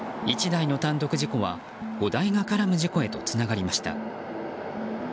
１台の単独事故は、５台が絡む事故へとつながりました。